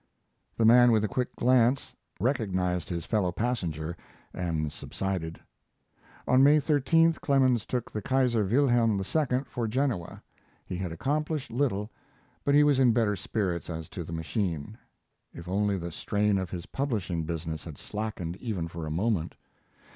The man, with a quick glance, recognized his fellow passenger and subsided. On May 13th Clemens took the Kaiser Wilhelm II. for Genoa. He had accomplished little, but he was in better spirits as to the machine. If only the strain of his publishing business had slackened even for a moment!